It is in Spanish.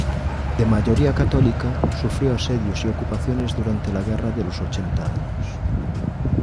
De mayoría católica, sufrió asedios y ocupaciones durante la Guerra de los Ochenta Años.